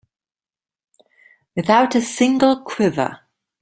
Without a single quiver.